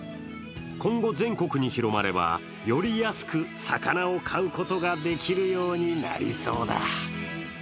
今後全国に広まればより安く魚を買うことができるようになりそうだ。